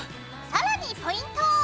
さらにポイント！